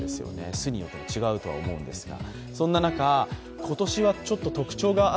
巣によって違うとは思うんですが。